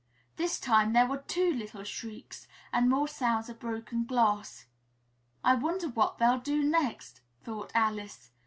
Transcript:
This time there were two little shrieks and more sounds of broken glass. "I wonder what they'll do next!" thought Alice.